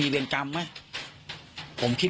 อืม